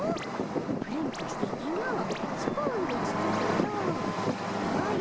ぷるんとしていてのスプーンでつつくとほれ